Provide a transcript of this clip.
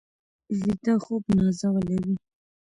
ویده خوب نازولي وي